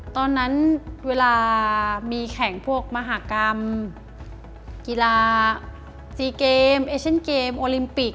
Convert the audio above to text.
ตอนนั้นเวลามีแข่งพวกมหากรรมกีฬาซีเกมเอเชนเกมโอลิมปิก